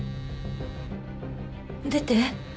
出て。